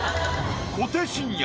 小手伸也